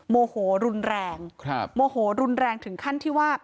โมโหรุนแรงโมโหรุนแรงถึงขั้นที่ว่า